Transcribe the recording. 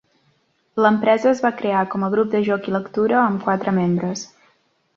L'empresa es va crear com a "grup de joc i lectura" amb quatre membres.